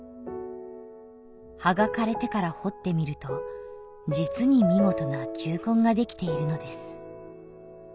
「葉が枯れてから掘ってみると実に見事な球根が出来ているのです」